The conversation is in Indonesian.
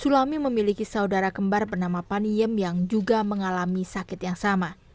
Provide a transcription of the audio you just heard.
sulami memiliki saudara kembar bernama paniem yang juga mengalami sakit yang sama